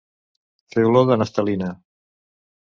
Fer olor de naftalina.